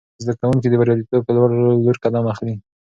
زده کوونکي د بریالیتوب په لور قدم اخلي.